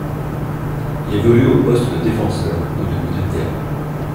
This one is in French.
Il évolue au poste de défenseur ou de milieu de terrain.